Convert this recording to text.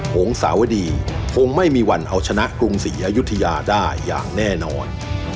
หงสาวดีคงไม่มีวันเอาชนะกรุงศรีอยุธยาได้อย่างแน่นอน